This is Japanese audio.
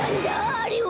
あれは。